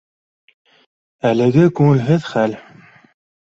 Әлеге күңелһеҙ хәл